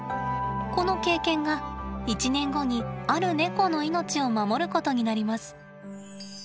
この経験が１年後にあるネコの命を守ることになります。